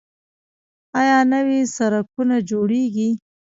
آیا نوي سرکونه جوړیږي؟